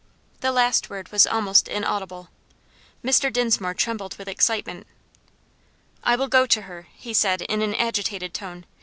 The last word was almost inaudible. Mr. Dinsmore trembled with excitement. "I will go to her," he said in an agitated tone.